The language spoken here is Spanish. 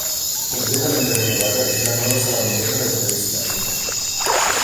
Completamente renovada es la nueva sala moderna del París clásico.